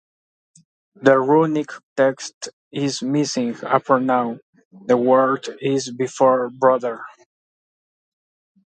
The runic text is missing a pronoun, the word "his" before "brother.